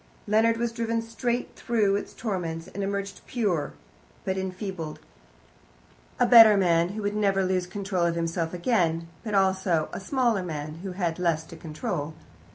Leonard was driven straight through its torments and emerged pure, but enfeebled a better man, who would never lose control of himself again, but also a smaller, who had less to control.